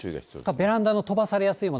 ベランダの飛ばされやすいもの